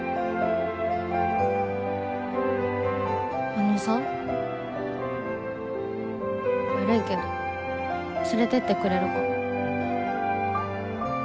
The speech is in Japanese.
あのさ悪いけど連れてってくれるか？